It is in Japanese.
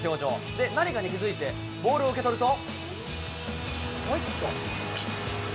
で、何かに気付いて、ボールを受け取ると。